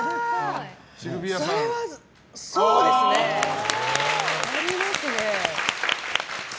それはそうですね。ありますね。